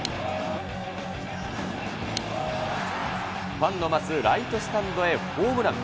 ファンの待つライトスタンドへホームラン。